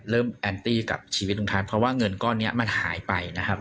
แอนตี้กับชีวิตลุงทัศน์เพราะว่าเงินก้อนนี้มันหายไปนะครับ